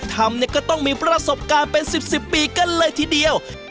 ทำเนี่ยก็ต้องมีประสบการณ์เป็น๑๐ปีกันเลยทีเดียว